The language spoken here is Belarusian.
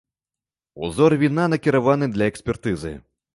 Узоры віна накіраваны для экспертызы.